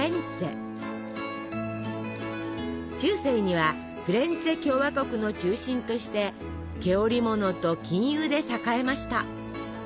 中世にはフィレンツェ共和国の中心として毛織物と金融で栄えました。